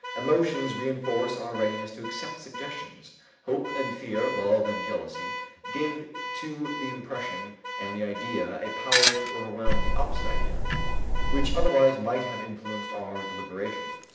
Emotions reënforce our readiness to accept suggestions. Hope and fear, love and jealousy give to the impression and the idea a power to overwhelm the opposite idea, which otherwise might have influenced our deliberation.